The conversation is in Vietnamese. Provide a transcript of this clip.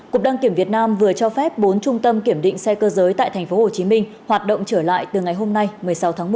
cục đăng kiểm việt nam vừa cho phép bốn trung tâm kiểm định xe cơ giới tại tp hcm hoạt động trở lại từ ngày hôm nay một mươi sáu tháng một